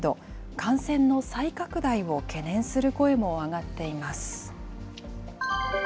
感染の再拡大を懸念する声も上がっています。